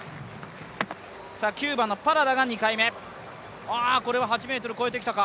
キューバのパラダが２回目これは８ｍ越えてきたか。